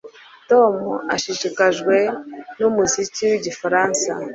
Tom ashishikajwe numuziki wigifaransa